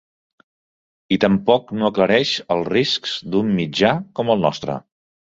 I tampoc no aclareix els riscs d’un mitjà com el nostre.